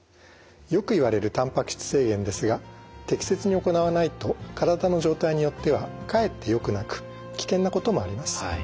よく言われるたんぱく質制限ですが適切に行わないと体の状態によってはかえってよくなく危険なこともあります。